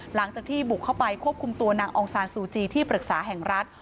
หลังจากที่บุกเข้าไปควบคุมตัวนางองซานซูจีที่ปรึกษาแห่งรัฐ